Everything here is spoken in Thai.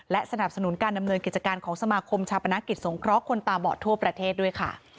และสนับสนุนการดำเนินกิจการของสมาคมชาปนกิจสงเคราะห์คนตาบอดทั่วประเทศด้วยค่ะ